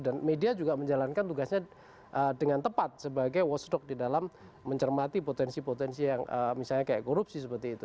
dan media juga menjalankan tugasnya dengan tepat sebagai watchdog di dalam mencermati potensi potensi yang misalnya kayak korupsi seperti itu